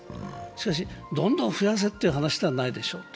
しかし、どんどん増やせという話ではないでしょう。